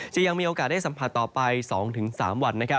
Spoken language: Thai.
ยังมีโอกาสได้สัมผัสต่อไป๒๓วัน